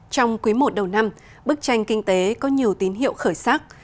trong quý i đầu năm bức tranh kinh tế có nhiều tín hiệu khởi sắc